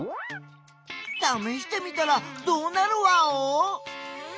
ためしてみたらどうなるワオ？